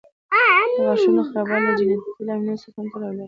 د غاښونو خرابوالی له جینيټیکي لاملونو سره هم تړاو لري.